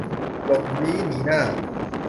หลบลี้หนีหน้า